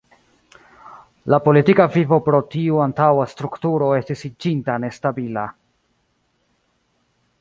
La politika vivo pro tiu antaŭa strukturo estis iĝinta nestabila.